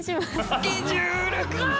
スケジュールか。